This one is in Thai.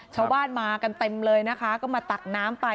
ชาวบ้านมากันเต็มเลยนะคะก็มาตักน้ำไป